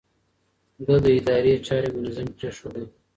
ده د ادارې چارې منظمې پرېښودې.